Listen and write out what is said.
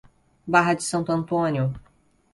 Barra de Santo Antônio